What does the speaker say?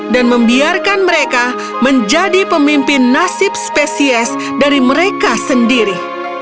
dan membiarkan mereka menjadi pemimpin nasib spesies dari mereka sendiri